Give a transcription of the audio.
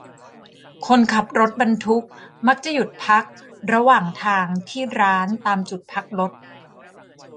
คนขับรถบรรทุกมักจะหยุดพักระหว่างทางที่ร้านตามจุดพักรถ